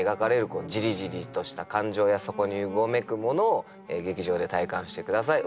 こうじりじりとした感情やそこにうごめくものを劇場で体感してください